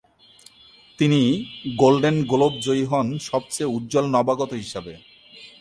তিনি Golden Globe জয়ী হন সবচেয়ে উজ্জ্বল নবাগত হিসেবে।